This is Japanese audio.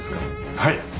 はい。